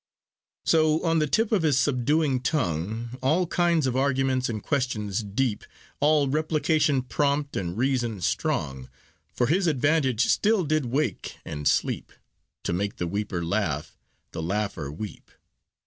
So on the tip of his subduing tongue, All kind of arguments and questions deep, All replication prompt and reason strong, For his advantage still did wake and sleep, To make the weeper laugh, the laugher weep.